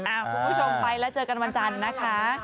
คุณผู้ชมไปแล้วเจอกันวันจันทร์นะคะ